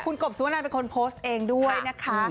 คุณกบสุวนันเป็นคนโพสต์เองด้วยนะคะ